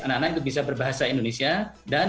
anak anak itu bisa berbahasa indonesia dan